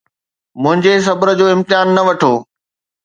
منهنجي صبر جو امتحان نه وٺو